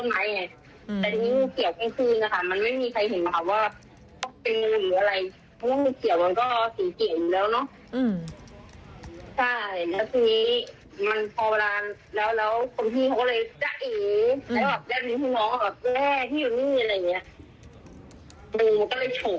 แล้วก็แบบอย่างเป็นพี่หนองแบบแย่ที่อยู่นี่อะไรอย่างเงี้ยกุมก็เลยขุบ